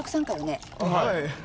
はい。